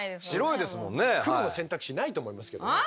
黒の選択肢ないと思いますけどね。